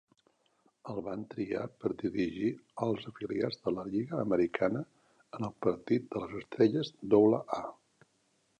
El van triar per dirigir als afiliats de la Lliga Americana en el partit de les estrelles doble-A.